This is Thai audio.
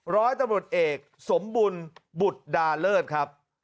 ร้อยตำรวจเอกสมบุญบุตรดาเลิศครับ